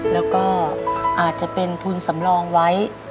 แล้วก็อาจจะเป็นทุนสำรองไว้